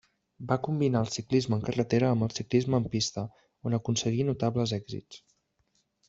Va combinar el ciclisme en carretera amb el ciclisme en pista, on aconseguí notables èxits.